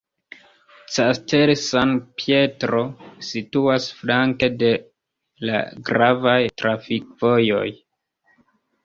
Castel San Pietro situas flanke de la gravaj trafikvojoj.